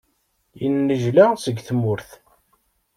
Yennejla seg tmurt.